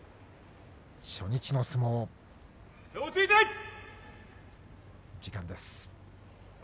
初日の相撲です。